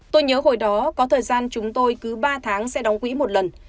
tôi nhớ hồi đó có thời gian chúng tôi cứ ba tháng sẽ đóng quỹ một lần